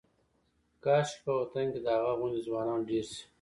کاشکې په وطن کې د هغه غوندې ځوانان ډېر شي.